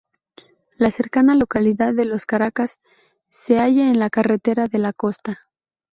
La cercana localidad de Los Caracas se halla en la carretera de la costa.